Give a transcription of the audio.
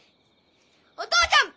お父ちゃん！